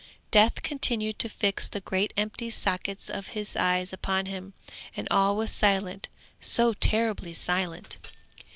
Death continued to fix the great empty sockets of his eyes upon him, and all was silent, so terribly silent.